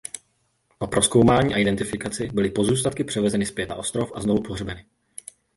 Po prozkoumání a identifikaci byly pozůstatky převezeny zpět na ostrov a znovu pohřbeny.